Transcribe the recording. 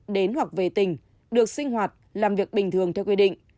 đến hoặc về tỉnh được sinh hoạt làm việc bình thường theo quy định